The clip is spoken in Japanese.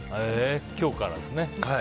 今日からですね。